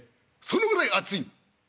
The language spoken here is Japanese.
そのぐらい熱い」。